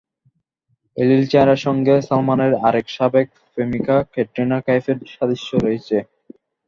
এলির চেহারার সঙ্গে সালমানের আরেক সাবেক প্রেমিকা ক্যাটরিনা কাইফের সাদৃশ্য রয়েছে।